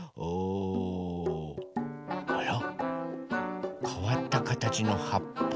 あら？かわったかたちのはっぱ。